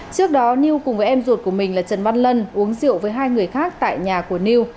trước đó niêu cùng với em ruột của mình là trần văn lân uống rượu với hai người khác tại nhà của niêu